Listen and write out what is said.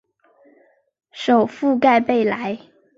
首府盖贝莱。